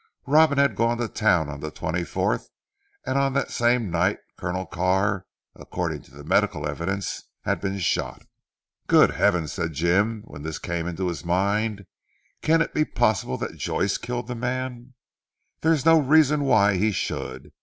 Robin had gone to Town on the twenty fourth, and on that same night Colonel Carr (according to the medical evidence) had been shot. "Good Heavens!" said Jim when this came into his mind, "can it be possible that Joyce killed the man? There is no reason why he should.